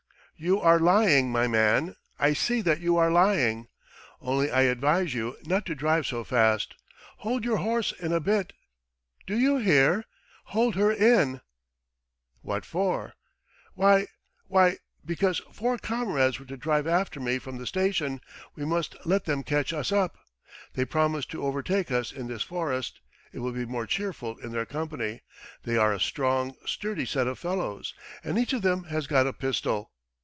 "You are lying, my man, I see that you are lying. Only I advise you not to drive so fast. Hold your horse in a bit. ... Do you hear? Hold her in!" "What for?" "Why ... why, because four comrades were to drive after me from the station. We must let them catch us up. ... They promised to overtake us in this forest. It will be more cheerful in their company. ... They are a strong, sturdy set of fellows. ... And each of them has got a pistol.